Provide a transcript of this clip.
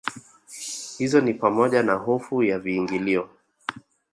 hizo ni pamoja na hofu ya viingilio